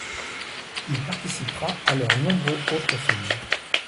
Il participera à leurs nombreux autres films.